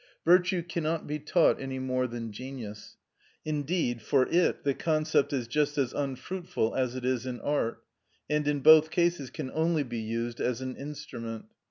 Virtue cannot be taught any more than genius; indeed, for it the concept is just as unfruitful as it is in art, and in both cases can only be used as an instrument.